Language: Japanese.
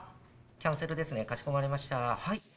キャンセルですね、かしこまりました。